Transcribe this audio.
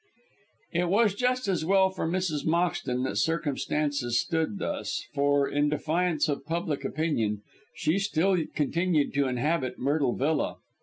It was just as well for Mrs. Moxton that circumstances stood thus, for, in defiance of public opinion, she still continued to inhabit Myrtle Villa.